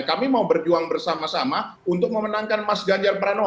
kami mau berjuang bersama sama untuk memenangkan mas ganjar pranowo